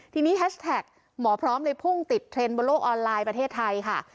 ทีนี้แฮชแท็กหมอพร้อมเลยพุ่งติดเทรนด์บนโลกออนไลน์ประเทศไทยค่ะ